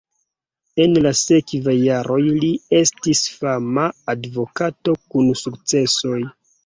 En la sekvaj jaroj li estis fama advokato kun sukcesoj.